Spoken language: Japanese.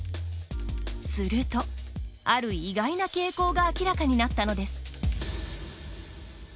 すると、ある意外な傾向が明らかになったのです。